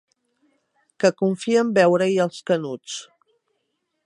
Que confien veure-hi els Canuts.